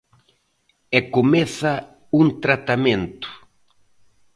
E comeza un tratamento.